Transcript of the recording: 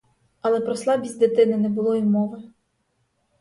Але про слабість дитини не було й мови.